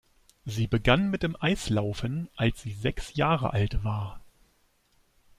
Sie begann mit dem Eislaufen, als sie sechs Jahre alt war.